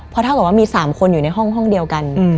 เพราะเท่ากับว่ามี๓คนอยู่ในห้องเดียวกัน